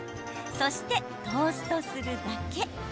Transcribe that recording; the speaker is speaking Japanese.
そして、トーストするだけ。